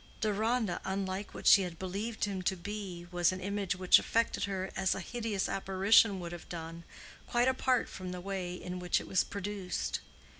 Deronda unlike what she had believed him to be, was an image which affected her as a hideous apparition would have done, quite apart from the way in which it was produced.